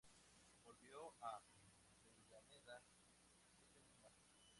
Volvió a Avellaneda ese mismo año.